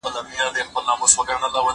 زه له سهاره سبزیجات تياروم